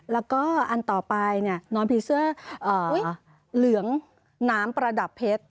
แล้วก็อันต่อไปนอนผีเสื้อเหลืองน้ำประดับเพชร